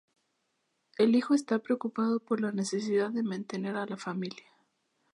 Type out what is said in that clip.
El hijo está preocupado por la necesidad de mantener a la familia.